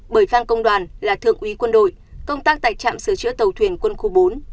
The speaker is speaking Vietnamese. bởi phan công đoàn là thượng úy quân đội công tác tại trạm sửa chữa tàu thuyền quân khu bốn